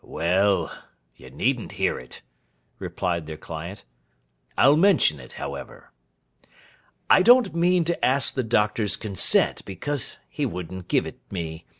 'Well! You needn't hear it,' replied their client. 'I'll mention it, however. I don't mean to ask the Doctor's consent, because he wouldn't give it me.